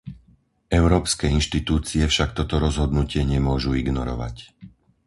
Európske inštitúcie však toto rozhodnutie nemôžu ignorovať.